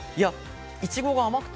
いちごが甘くて。